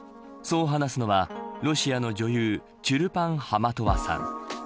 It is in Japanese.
そう話すのはロシアの女優チュルパン・ハマトワさん。